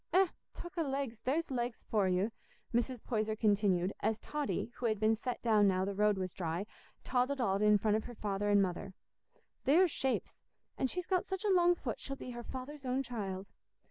Eh! Talk o' legs, there's legs for you," Mrs. Poyser continued, as Totty, who had been set down now the road was dry, toddled on in front of her father and mother. "There's shapes! An' she's got such a long foot, she'll be her father's own child."